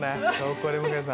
ここで向井さん